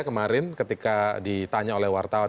kemarin ketika ditanya oleh wartawan